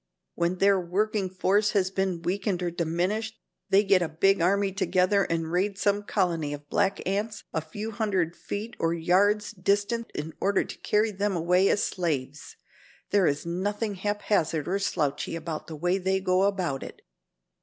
When their working force has been weakened or diminished, they get a big army together and raid some colony of black ants a few hundred feet or yards distant in order to carry them away as slaves. There is nothing haphazard or slouchy about the way they go about it.